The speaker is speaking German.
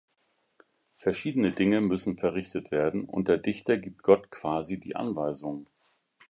Verschiedene Dinge müssen verrichtet werden und der Dichter gibt Gott quasi die Anweisungen.